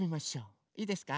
いいですか？